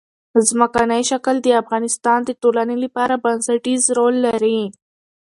ځمکنی شکل د افغانستان د ټولنې لپاره بنسټيز رول لري.